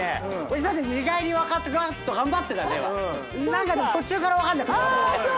何か途中から分かんなくなったね。